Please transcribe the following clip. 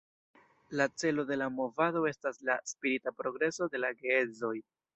La celo de la movado estas la spirita progreso de la geedzoj.